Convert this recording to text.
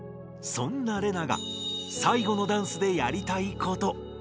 そんなレナが最後のダンスでやりたいこと。